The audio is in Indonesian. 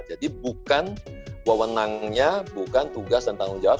jadi bukan wawenangnya bukan tugas dan tanggung jawab